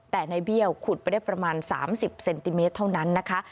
แต่ในเบี้ยวขุดไปได้ประมาณ๓๐เซนติเมตรเท่านั้นนะคะ